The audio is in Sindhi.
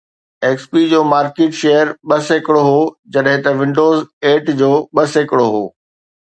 ايڪس پي جو مارڪيٽ شيئر ٻه سيڪڙو هو جڏهن ته ونڊوز ايٽ جو ٻه سيڪڙو هو